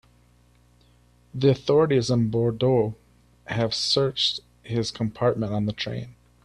The authorities in Bordeaux have searched his compartment on the train.